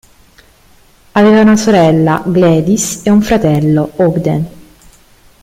Aveva una sorella, Gladys e un fratello, Ogden.